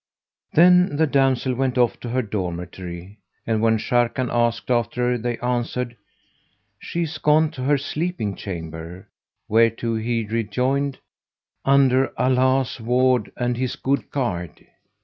Then the damsel went off to her dormitory and when Sharrkan asked after her they answered, "She is gone to her sleeping chamber," whereto he rejoined, "Under Allah's ward and His good guard!"